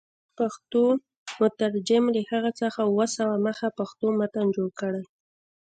زموږ پښتو مترجم له هغه څخه اووه سوه مخه پښتو متن جوړ کړی.